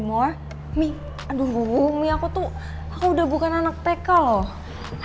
mi aduh mi aku tuh udah bukan anak teka loh